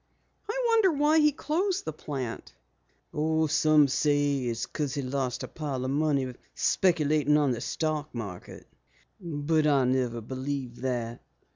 "I wonder why he closed the plant?" "Some say it was because he had lost a pile of money speculating on the stock market. But I never believed that.